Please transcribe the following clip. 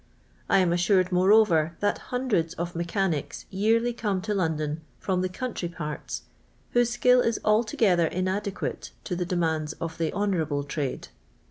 I am assured, moreover, that hundreds of mechanics yearly come to London from the countri/ parti, whose skill is altogether inadeqimte to the de mands of the" honourable trade."